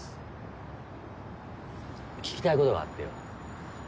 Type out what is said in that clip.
聞きたいことがあってよ。